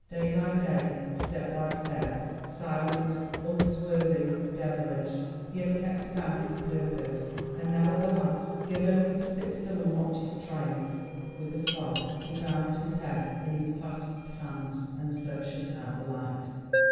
Day by day, step by step, silent, unswerving, devilish, he had kept about his purpose, and now at the last he had only to sit still and watch his triumph. "With a sob, he bowed his head in his clasped hands, and so shut out the light."